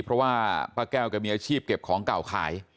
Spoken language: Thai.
เพราะว่าป้าแก้วแกมีอาชีพเก็บของเก่าขาย